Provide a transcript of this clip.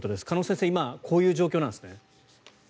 鹿野先生、今こういう状況なんですね。